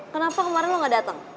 kenapa kemarin lo gak datang